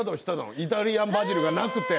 イタリアンバジルがなくて。